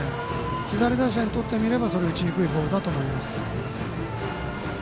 左打者にとって見れば打ちにくいボールだと思います。